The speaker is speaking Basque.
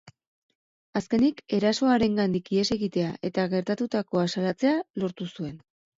Azkenik, erasoarengandik ihes egitea eta gertatutakoa salatzea lortu zuen.